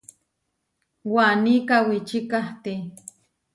Waní kawíci kahtí.